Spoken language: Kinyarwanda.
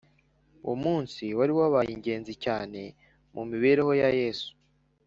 wo munsi wari wabaye ingenzi cyane mu mibereho ya yesu